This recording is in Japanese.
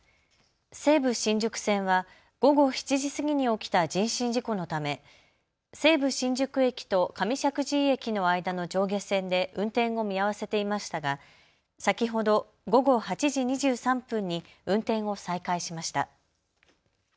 西武新宿線は午後７時過ぎに起きた人身事故のため西武新宿駅と上石神井駅の間の上下線で運転を見合わせていましたが先ほど午後８時２３分に運転を再開しました。